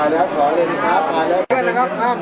และใช้งานห้องครับ